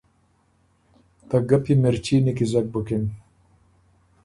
ته ګپی مرچي نیکیزک بُکِن۔